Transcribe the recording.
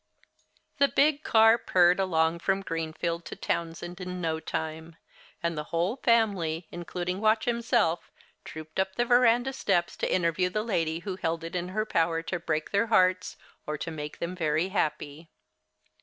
The big car purred along from Greenfield to Townsend in no time. And the whole family, including Watch himself, trooped up the veranda steps to interview the lady who held it in her power to break their hearts, or to make them very happy.